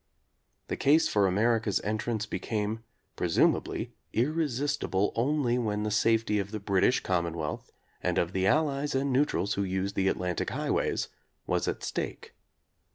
The case for America's entrance be came presumably irresistible only when the safety of the British Commonwealth and of the Allies and neutrals who use the Atlantic highway was at stake.